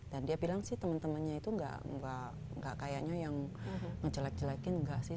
dan dia bilang sih temen temennya itu enggak kayaknya yang ngejelek jelekin enggak sih